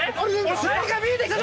何か見えてきた。